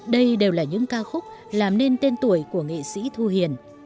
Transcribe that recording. đây đều là những ca khúc làm nên tên tuổi của đất nước